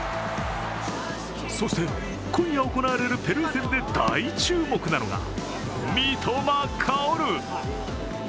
そして、今夜行われるペルー戦で大注目なのが、三笘薫！